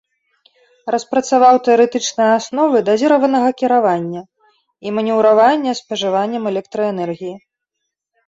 Распрацаваў тэарэтычныя асновы дазіраванага кіравання і манеўравання спажываннем электраэнергіі.